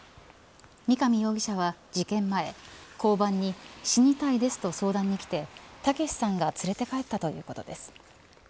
三上容疑者は事件前交番に死にたいですと相談に来て剛さんが連れて帰ったということです。